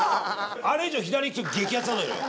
あれ以上左行くと激熱なのよ。